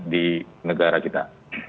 di negara kita